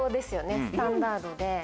スタンダードで。